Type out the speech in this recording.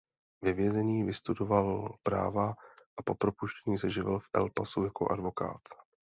Ve vězení vystudoval práva a po propuštění se živil v El Pasu jako advokát.